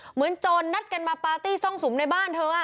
โจรนัดกันมาปาร์ตี้ซ่องสุมในบ้านเธอ